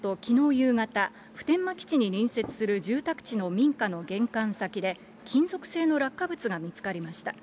夕方、普天間基地に隣接する住宅地の民家の玄関先で、金属製の落下物が見つかりました。